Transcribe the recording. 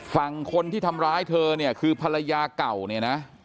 ฝั่งคนที่ทำร้ายเธอเนี่ยคือภรรยาเก่าเนี่ยนะ